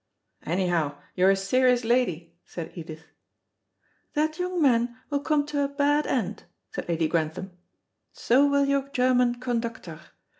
"Anyhow, you're a serious lady," said Edith. "That young man will come to a bad end," said Lady Grantham; "so will your German conductor.